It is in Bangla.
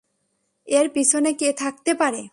এর পিছনে কে থাকতে পারে?